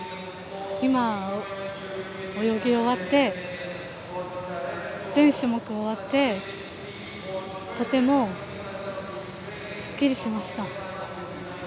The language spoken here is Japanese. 今、泳ぎ終わって全種目終わってとてもすっきりしました。